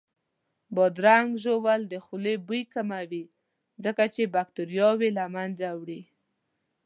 بادرنګ ژوول د خولې بوی کموي ځکه چې باکتریاوې له منځه وړي